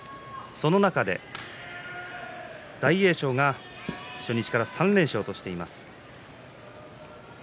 その中で大栄翔が初日から３連勝としています。